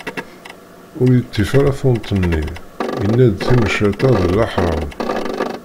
Ur yeṭṭif ara tunt-nni, yenna-d timecreṭ-a d leḥram.